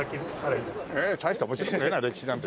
大して面白くねえな歴史なんて。